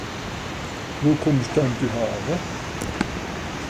Wo kùmmsch denn dü häre?